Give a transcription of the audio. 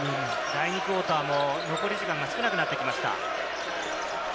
第２クオーターも残り時間が少なくなってきました。